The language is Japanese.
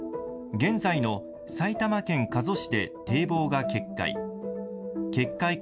現在の埼玉県加須市で堤防が決壊。